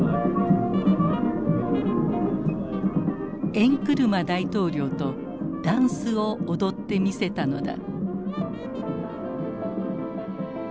エンクルマ大統領とダンスを踊ってみせたのだ。